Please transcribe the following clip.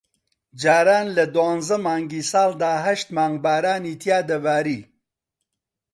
جاران لە دوانزە مانگی ساڵدا ھەشت مانگ بارانی تیا دەباری